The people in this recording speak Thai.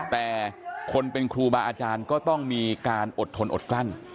แต่คนเป็นครูบาอาจารย์ก็ต้องมีการอดทนอดกลั้น